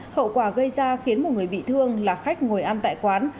hậu quả gây ra khiến một người bị thương là khách ngồi ăn tại quán